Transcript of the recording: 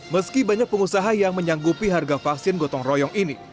meski banyak pengusaha yang menyanggupi harga vaksin gotong royong ini